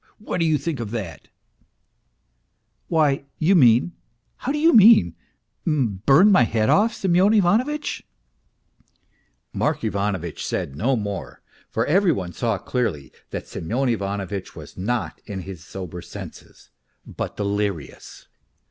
What do you think of that ?"" Why ... you mean ... How do you mean, burn my head off, Semyon Ivanovitch ?" Mark Ivanovitch said no more, for every one saw clearly that Semyon Ivanovitch was not yet in his sober senses, but delirious.